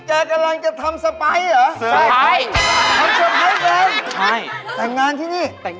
ถ้าไปเจ้าคูก็จะขอแพทย์แต่งงาน